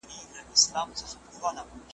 څه باندي پنځوس کاله به کیږي .